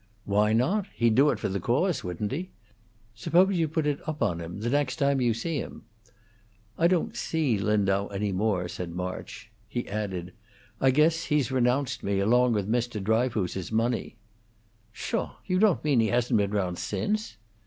"Why not? He'd do it for the cause, wouldn't he? Suppose you put it up on him the next time you see him." "I don't see Lindau any more," said March. He added, "I guess he's renounced me along with Mr. Dryfoos's money." "Pshaw! You don't mean he hasn't been round since?"